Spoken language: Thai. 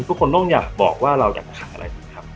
ทุกคนต้องอยากบอกว่าเราอยากจะขายอะไรบ้างครับ